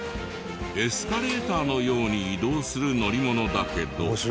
エスカレーターのように移動する乗り物だけど。